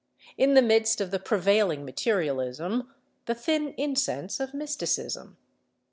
In the midst of the prevailing materialism—the thin incense of mysticism.